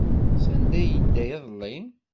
Sanda ay yedda iḍelli?